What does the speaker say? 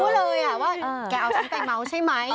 รู้เลยว่าแกเอาฉันไปเมาส์ใช่ไหม